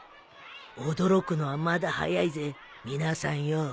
驚くのはまだ早いぜ皆さんよ